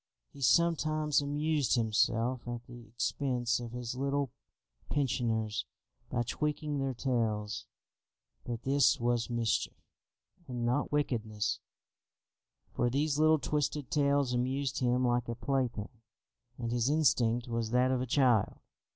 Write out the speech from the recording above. He sometimes amused himself at the expense of his little pensioners by tweaking their tails; but this was mischief, and not wickedness, for these little twisted tails amused him like a plaything, and his instinct was that of a child.